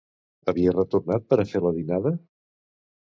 Havia retornat per a fer la dinada?